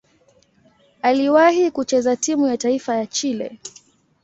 Aliwahi kucheza timu ya taifa ya Chile.